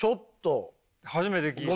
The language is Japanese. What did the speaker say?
初めて聞いた。